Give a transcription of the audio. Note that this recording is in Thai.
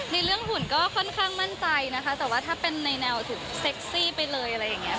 ในเรื่องหุ่นก็ค่อนข้างมั่นใจนะคะแต่ว่าถ้าเป็นในแนวถึงเซ็กซี่ไปเลยอะไรอย่างนี้